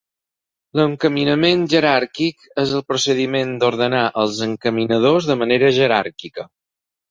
L'encaminament jeràrquic és el procediment d'ordenar els encaminadors de manera jeràrquica.